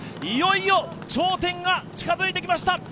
いよいよ頂点が近づいてきました。